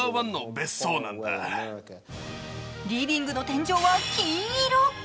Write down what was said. リビングの天井は金色。